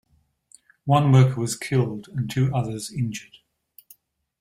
One worker was killed and two others injured.